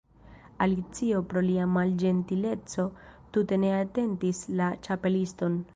Alicio pro lia malĝentileco tute ne atentis la Ĉapeliston.